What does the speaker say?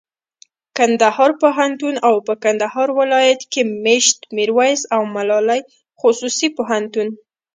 کندهار پوهنتون او په کندهار ولایت کښي مېشت میرویس او ملالي خصوصي پوهنتون